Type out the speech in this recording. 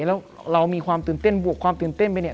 แล้วเรามีความตื่นเต้นบวกความตื่นเต้นไปเนี่ย